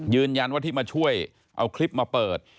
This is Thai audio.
ยืนยันว่าที่มาช่วยเอาคลิปมาเปิด